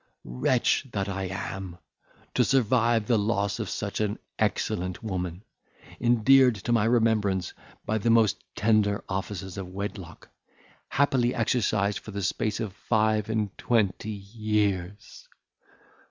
Wretch that I am! to survive the loss of such an excellent woman, endeared to my remembrance by the most tender offices of wedlock, happily exercised for the space of five and twenty years!